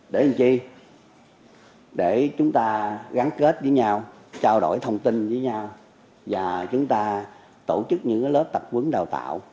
để anh chị để chúng ta gắn kết với nhau trao đổi thông tin với nhau và chúng ta tổ chức những lớp tập quấn đào tạo